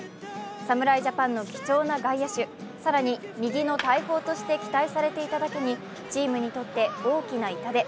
侍ジャパンの貴重な外野手、更に右の大砲として期待されていただけにチームにとって大きな痛手。